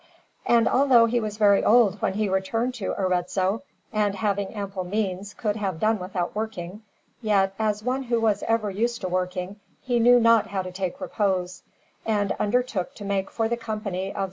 And although he was very old when he returned to Arezzo, and, having ample means, could have done without working, yet, as one who was ever used to working, he knew not how to take repose, and undertook to make for the Company of S.